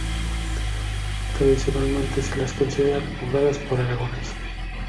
Tradicionalmente se las considera repobladas por aragoneses.